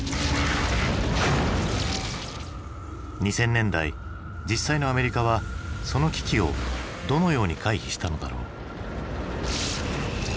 ２０００年代実際のアメリカはその危機をどのように回避したのだろう？